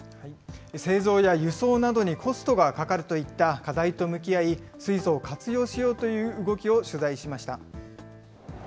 製造や輸送などにコストがかかるといった課題と向き合い、水素を活用しようという動きを取材しました。